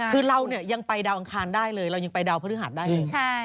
คือเราเนี่ยยังไปดาวอังคารได้เลยเรายังไปดาวพฤหัสได้เลย